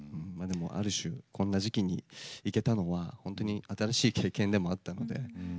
ある種こんな時期に行けたのは本当に新しい経験でもあったので。